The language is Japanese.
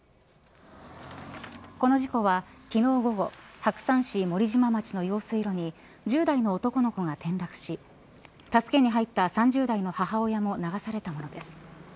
この事故は昨日午後白山市森島町の用水路に１０代の男の子が転落し助けに入った３０代の母親も流されたものです。